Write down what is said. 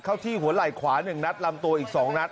ความต่อที่ขวา๑นัดลำตัวอีก๒นัด